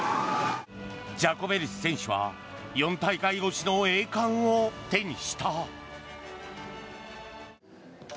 ジャコベリス選手は４大会越しの栄冠を手にした。